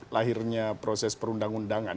lahirnya proses perundang undangan